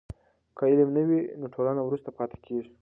که علم نه وي نو ټولنه وروسته پاتې کېږي.